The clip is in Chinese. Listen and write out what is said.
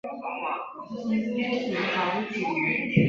提供用于常用高级数学运算的运算函数。